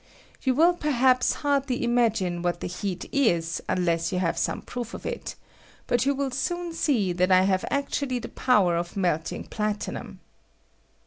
You will perhaps hardly im agine what the heat is unless you have some proof of it ; but you will soon see that I have actually the power of melting platinum.